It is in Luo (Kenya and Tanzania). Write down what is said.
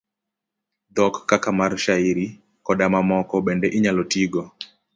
Dhok kaka mar shairi, koda mamoko bende inyalo tigo